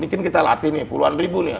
ini kita latih puluhan ribu nih